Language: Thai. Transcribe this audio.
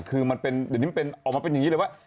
เดี๋ยวนิ้มเป็นออกมาเป็นอย่างนี้เลยว่า